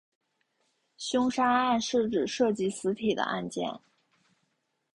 凶杀案是指涉及死体的案件。